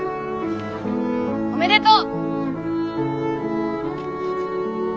おめでとう。